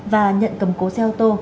và nhận cầm cố xe ô tô